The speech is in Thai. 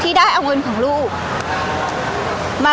พี่ตอบได้แค่นี้จริงค่ะ